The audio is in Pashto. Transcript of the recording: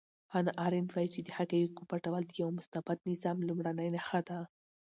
هانا ارنټ وایي چې د حقایقو پټول د یو مستبد نظام لومړنۍ نښه ده.